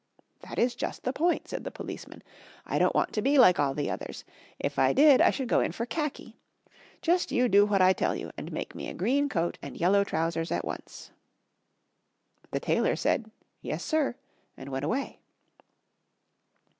"That is just the point," said the policeman. "I don't want to be like all the others. If I did I should go in for khaki. Just you do what I tell you, and make me a green coat and yellow trousers at once." The tailor said, "Yes, sir," and went away.